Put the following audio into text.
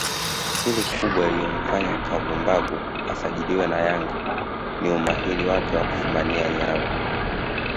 Sifa kubwa iliyomfanya Kavumbagu asajiliwe na Yanga ni umahiri wake wa kufumania nyavu